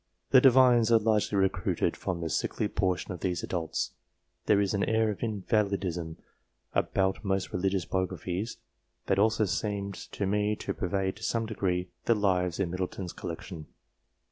The Divines are largely recruited from the sickly portion of these adults. There is an air of invalidism about most religious biographies, that DIVINES 257 also seems to me to pervade, to some degree, the lives in Middleton's collection.